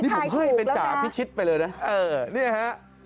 นี่ผมให้เป็นจ่าพี่ชิดไปเลยนะ